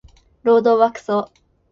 労働はクソ